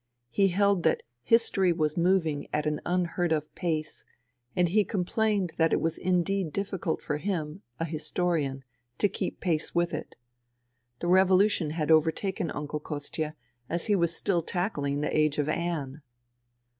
He held that history was moving at an unheard of pace, and he complained that it was indeed difficult for him, a historian, to keep pace with it. The revolution had overtaken Uncle Kostia as he was still tackling the age of Anne.